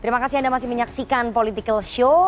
terima kasih anda masih menyaksikan political show